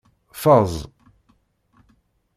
Ffeẓ.